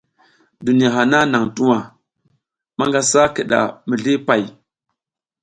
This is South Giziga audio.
Duniya hana nang tuwa, manga sa kida mizli pay.